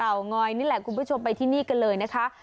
งอยนี่แหละคุณผู้ชมไปที่นี่กันเลยนะคะ